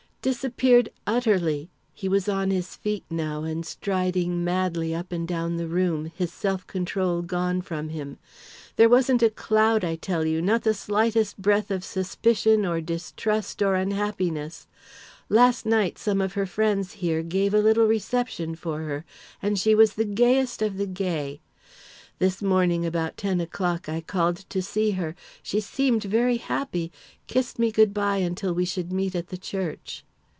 "Disappeared utterly!" He was on his feet now and striding madly up and down the room, his self control gone from him. "There wasn't a cloud, I tell you; not the slightest breath of suspicion or distrust or unhappiness. Last night, some of her friends here gave a little reception for her, and she was the gayest of the gay. This morning, about ten o'clock, I called to see her; she seemed very happy kissed me good bye until we should meet at the church."